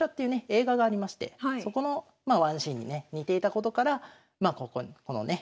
映画がありましてそこのワンシーンにね似ていたことからこのね